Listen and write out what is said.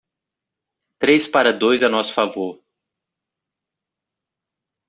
Três para dois a nosso favor.